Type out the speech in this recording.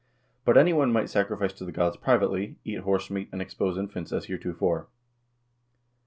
But any one might sacrifice to the gods privately, eat horse meat, and expose infants as heretofore.